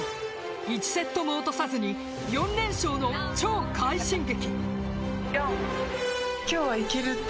１セットも落とさずに４連勝の超快進撃。